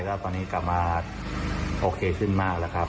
แล้วตอนนี้กลับมาโอเคขึ้นมากแล้วครับ